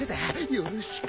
よろしく！